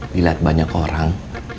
dilihat banyak orang